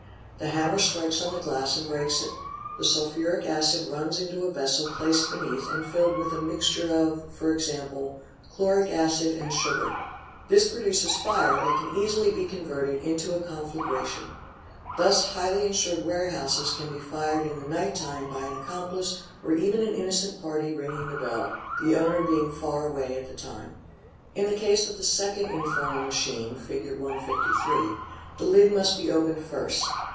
The hammer strikes on the glass and breaks it, the sulphuric acid runs into a vessel placed beneath and filled with a mixture of, for example, chloric acid and sugar. 'This produces fire that can easily be converted into a confla gration. Thus highly insured warehouses can be fired in the night time Tt? Se ee ROGUE i tNFERNAL MACHINES 851 by an accomplice or even an innocent party ringing the bell, the owner being far away at the time. .| Fig. 158. In the case of the second infernal machine (fig. 153) the lid must be opened first.